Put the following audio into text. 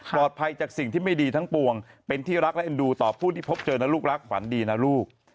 จากสิ่งที่ไม่ดีทั้งปวงเป็นที่รักและเอ็นดูต่อผู้ที่พบเจอนะลูกรักขวัญดีนะลูก